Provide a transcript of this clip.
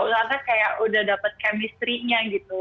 karena kayak udah dapat chemistry nya gitu